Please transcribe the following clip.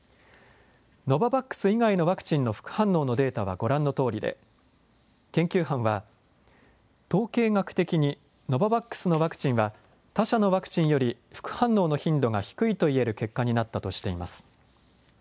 ノババックス以外のワクチンの副反応のデータはご覧のとおりで研究班は統計学的にノババックスのワクチンは他社のワクチンより副反応の頻度が低いといえる結果になったとしています。